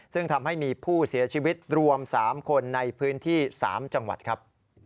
ซึ่งทำให้มีผู้เสียชีวิตรวม๓คนในพื้นที่๓จังหวัดครับ